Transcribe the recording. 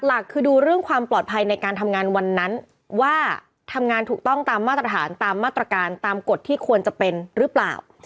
หลักคือดูเรื่องความปลอดภัยในการทำงานวันนั้นว่าทำงานถูกต้องตามมาตรฐานตามมาตรการตามกฎที่ควรจะเป็นหรือเปล่า